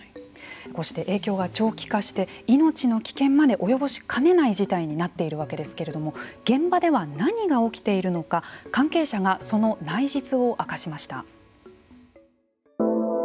そして、影響が長期化して命の危険まで及ぼしかねない事態にまでなっているわけですけれども現場では何が起きているのか関係者が、その内実をあかしました。